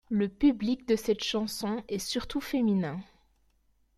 Le public de cette chanson est surtout féminin.